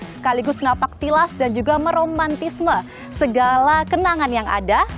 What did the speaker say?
sekaligus napak tilas dan juga meromantisme segala kenangan yang ada